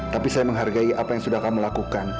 tapi saya menghargai apa yang sudah kamu lakukan